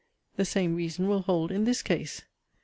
The same reason will hold in this case.